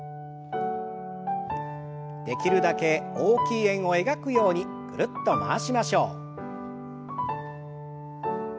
できるだけ大きい円を描くようにぐるっと回しましょう。